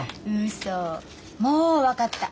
もう分かった。